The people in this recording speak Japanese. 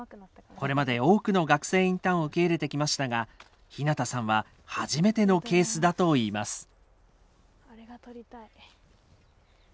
これまで多くの学生インターンを受け入れてきましたが日向さんは初めてのケースだと言います。